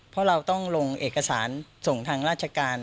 เพราะเราต้องลงเอกสารส่งทางราชการ